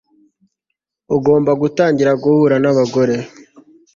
Ugomba gutangira guhura nabagore